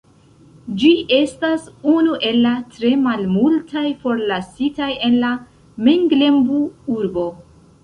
Ĝi estas unu el la tre malmultaj forlasitaj en la Menglembu-urbo.